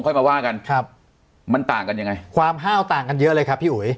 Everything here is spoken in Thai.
ค่อยมาว่ากันครับมันต่างกันยังไงความห้าวต่างกันเยอะเลยครับพี่อุ๋ย